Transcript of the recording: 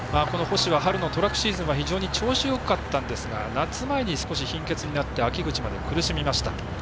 星は春のトラックシーズンは非常に調子がよかったんですが夏前に少し貧血になって秋口まで苦しみました。